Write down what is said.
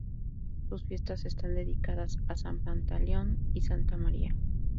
Sus fiestas están dedicadas a San Pantaleón y Santa María.